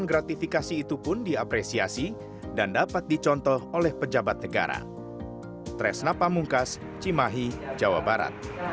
penggratifikasi itu pun diapresiasi dan dapat dicontoh oleh pejabat negara